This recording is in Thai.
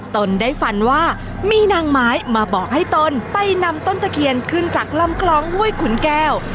ตนได้ฝันว่ามีนางไม้มาบอกให้ตนไปนำต้นตะเคียนขึ้นจากลำคลองห้วยขุนแก้ว